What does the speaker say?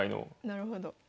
なるほど。